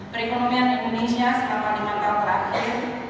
perekonomian indonesia selama lima tahun terakhir